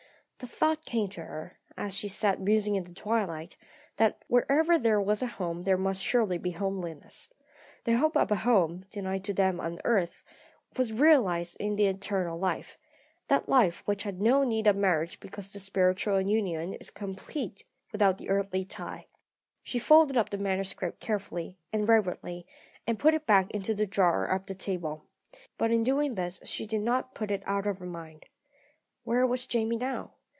The thought came to her, as she sat musing in the twilight, that wherever there was a home there must surely be homeliness. The hope of a home, denied to them on earth, was realised in the eternal life that life which has no need of marriage because the spiritual union is complete without the earthly tie. She folded up the manuscript carefully and reverently, and put it back into the drawer of the table. But in doing this she did not put it out of her mind. Where was Jamie now?